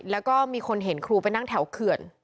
แล้วก็มีคนเห็นครูไปนั่งแถวเขื่อน